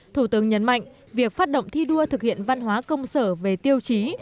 thủ tướng nhấn mạnh việc phát động thi đua thực hiện văn hóa công sở về tiêu chí